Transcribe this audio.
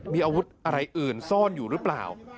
มีอาวุธอะไรอื่นซ่อนอยู่หรือเปล่า